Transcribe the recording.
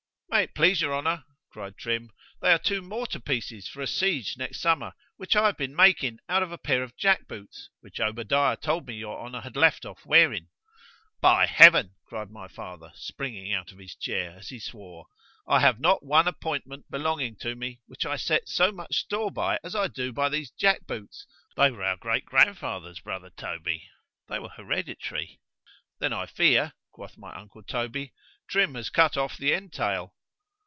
—May it please your honour, cried Trim, they are two mortar pieces for a siege next summer, which I have been making out of a pair of jack boots, which Obadiah told me your honour had left off wearing.—By Heaven! cried my father, springing out of his chair, as he swore——I have not one appointment belonging to me, which I set so much store by as I do by these jack boots——they were our great grandfather's brother Toby—they were hereditary. Then I fear, quoth my uncle Toby, Trim has cut off the entail.